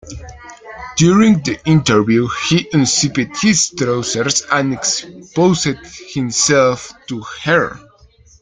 During the interview he unzipped his trousers and exposed himself to her.